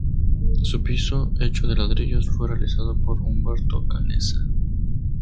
Su piso, hecho de ladrillos, fue realizado por Humberto Canessa.